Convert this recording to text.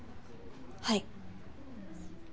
はい。